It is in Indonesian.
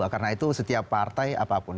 karena itu setiap partai apapun